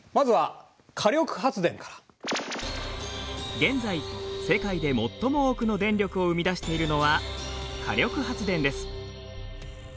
現在世界で最も多くの電力を生み出しているのは火力発電です。